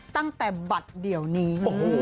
ตั้งแต่บัตรเดียวนี้